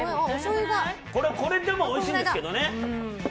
これでもおいしいんですけどね。